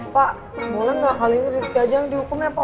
pak boleh gak kalian dihukum ya pak